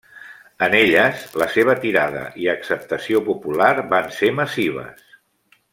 En elles la seva tirada i acceptació popular van ser massives.